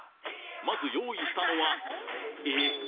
まず用意したのはえ！